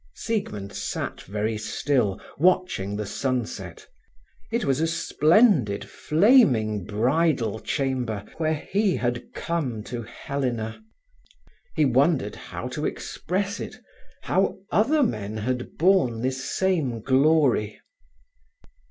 Siegmund sat very still, watching the sunset. It was a splendid, flaming bridal chamber where he had come to Helena. He wondered how to express it; how other men had borne this same glory.